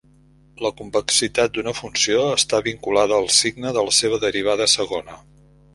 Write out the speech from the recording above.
La convexitat d'una funció està vinculada al signe de la seva derivada segona.